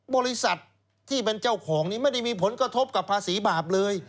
บริษัทที่เป็นเจ้าของนี้ไม่ได้มีผลกระทบกับภาษีบาปเลย